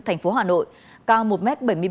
tp hà nội cao một m bảy mươi ba